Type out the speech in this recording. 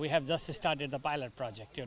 kita baru saja memulai proyek pilot